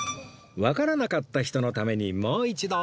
わからなかった人のためにもう一度